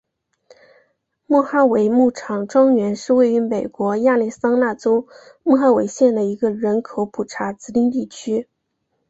莫哈维牧场庄园是位于美国亚利桑那州莫哈维县的一个人口普查指定地区。